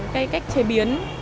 cái cách chế biến